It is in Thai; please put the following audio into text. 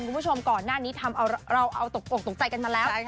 คุณผู้ชมก่อนหน้านี้ทำเอาตกอกตกใจกันมาแล้ว